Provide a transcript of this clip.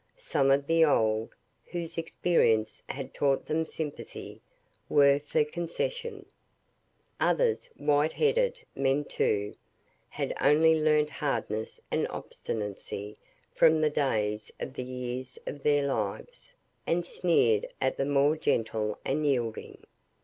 Some of the old, whose experience had taught them sympathy, were for concession. Others, white headed men too, had only learnt hardness and obstinacy from the days of the years of their lives, and sneered at the more gentle and yielding.